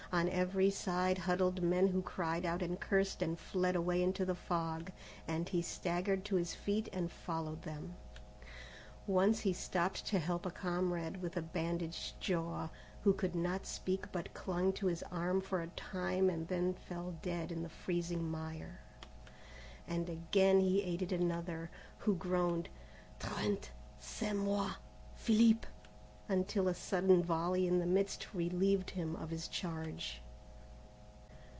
On every side huddled men who cried out and cursed and fled away into the fog, and he staggered to his feet and followed them. Once he stopped to help a comrade with a bandaged jaw, who could not speak but clung to his arm for a time and then fell dead in the freezing mire; and again he aided another, who groaned: "Trent, c'est moi Philippe," until a sudden volley in the midst relieved him of his charge.